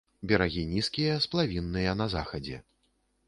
Берагі нізкія, сплавінныя на захадзе.